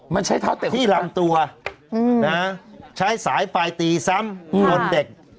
มันใช้เท้าเตะที่ลำตัวใช้สายไฟตีซ้ำชนเด็ก